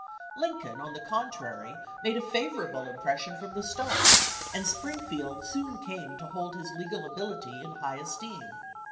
Lincoln, on the contrary, made a favorable impression from the start, and Spring field soon came to hold his legal ability in high esteem.